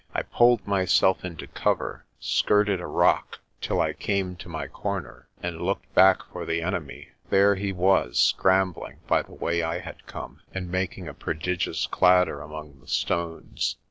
I pulled myself into cover, skirted a rock till I came to my corner, and looked back for the enemy. There he was scrambling by the way I had come, and making a prodigious clatter among the stones.